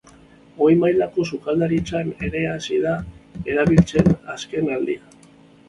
Goi mailako sukaldaritzan ere hasi da erabiltzen azken aldian.